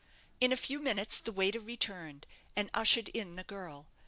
In a few minutes the waiter returned, and ushered in the girl.